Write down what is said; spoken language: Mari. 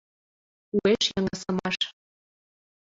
Уэш йыҥысымаш.